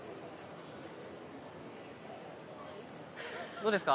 どうですか？